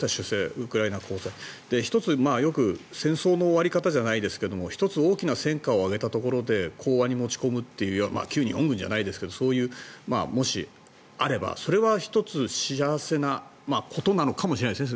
ウクライナは攻勢１つ、よく戦争の終わり方じゃないですが１つ大きな戦果を上げたところで講和に持ち込むという旧日本軍じゃないですけどそういうもし、あればそれは１つ幸せなことなのかもしれないですね。